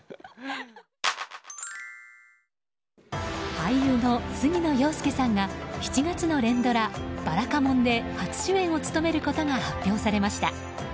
俳優の杉野遥亮さんが７月の連ドラ「ばらかもん」で初主演を務めることが発表されました。